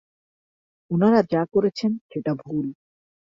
ওনারা যা করেছেন সেটা ভুল।